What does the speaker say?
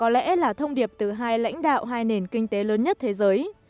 đây là thông điệp từ hai lãnh đạo hai nền kinh tế lớn nhất thế giới